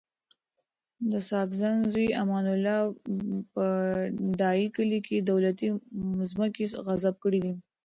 د ساګزی زوی امان الله په ډایی کلی کي دولتي مځکي غصب کړي دي